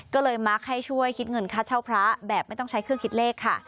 ก็เลยมักให้ช่วยคิดเงินค่าเช่าพระแบบไม่ต้องใช้เครื่องคิดเลขค่ะ